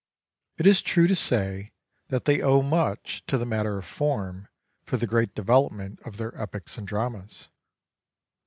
It is true to say that they owe much to the matter of form for the great development of their epics and dramas.